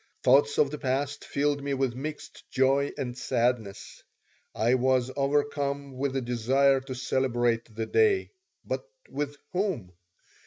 Thoughts of the past filled me with mixed joy and sadness. I was overcome with a desire to celebrate the day. But with whom?